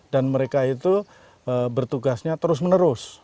dan mereka itu bertugasnya terus menerus